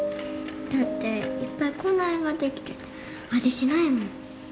だっていっぱい口内炎ができてて味しないもん。